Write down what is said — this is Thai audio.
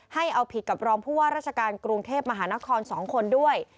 ให้เอาผิดกับรองผู้ว่าราชการกรุงเทพมหานคร๒คนด้วย